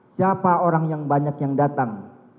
siapa orang yang banyak yang datang